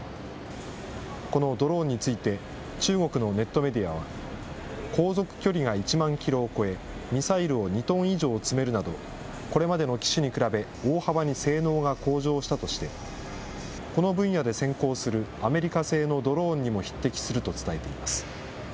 このドローンについて、中国のネットメディアは、航続距離が１万キロを超え、ミサイルを２トン以上積めるなど、これまでの機種に比べ大幅に性能が向上したとして、この分野で先行するアメリカ製のドローンにも匹敵すると伝えています。